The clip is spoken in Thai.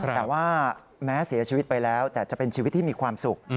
แต่ว่าแม้เสียชีวิตไปแล้วแต่จะเป็นชีวิตที่มีความสุข